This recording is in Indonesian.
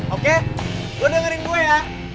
oke gue dengerin gue ya